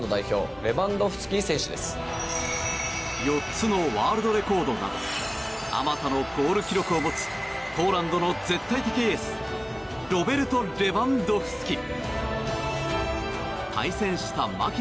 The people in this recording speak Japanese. ４つのワールドレコードなどあまたのゴール記録を持つポーランドの絶対的エースロベルト・レバンドフスキ。